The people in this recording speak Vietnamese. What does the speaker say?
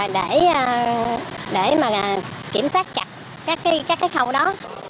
để kiểm soát chặt các khẩu đó